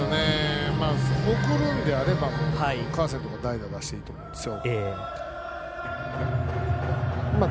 送るのであれば川瀬にも、代打を出してもいいと思うんですよ。